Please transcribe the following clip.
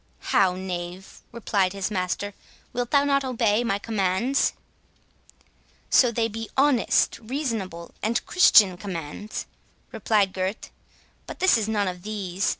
"How, knave," replied his master, "wilt thou not obey my commands?" "So they be honest, reasonable, and Christian commands," replied Gurth; "but this is none of these.